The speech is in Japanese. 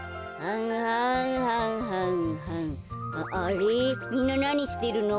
あれみんななにしてるの？